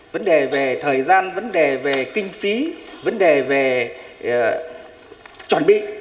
vấn đề về thời gian vấn đề về kinh phí vấn đề về chuẩn bị